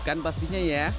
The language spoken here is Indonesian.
lidikan pastinya ya